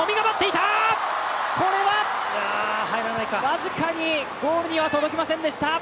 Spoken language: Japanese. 僅かにゴールには届きませんでした。